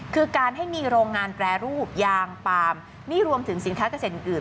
คือการให้มีโรงงานแปรรูปยางปาล์มนี่รวมถึงสินค้าเกษตรอื่น